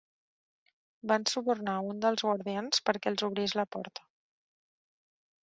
Van subornar un dels guardians perquè els obrís la porta.